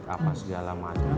apa segala macam